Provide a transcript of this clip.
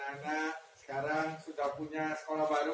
anak sekarang sudah punya sekolah baru